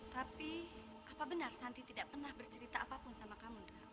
tapi apa benar santi tidak pernah bercerita apapun sama kamu